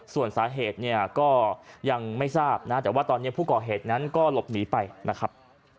ส่วนสาเหตุเนี่ยก็ยังไม่ทราบนะแต่ว่าตอนนี้ผู้ก่อเหตุนั้นก็หลบหนีไปนะครับ